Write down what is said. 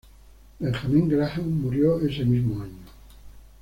Benjamin Graham murió ese mismo año.